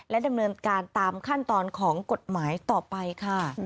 ดำเนินการตามขั้นตอนของกฎหมายต่อไปค่ะ